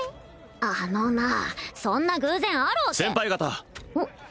あのなあそんな偶然あるわけ先輩方！